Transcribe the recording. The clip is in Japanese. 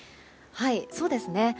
そうですね。